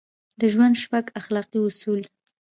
د ژوند شپږ اخلاقي اصول: